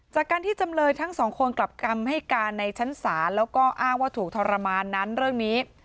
จากการที่จำเลยทั้งสองคนกลับกรรมให้การในชั้นศาลแล้วก็อ้างว่าถูกทรมานนั้นเรื่องนี้